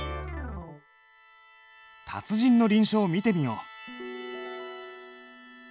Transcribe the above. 達人の臨書を見てみよう。